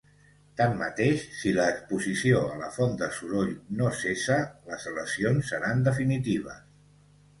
Tanmateix, si l'exposició a la font de soroll no cessa, les lesions seran definitives.